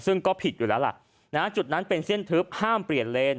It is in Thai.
ซึ่งก็ผิดอยู่แล้วล่ะจุดนั้นเป็นเส้นทึบห้ามเปลี่ยนเลน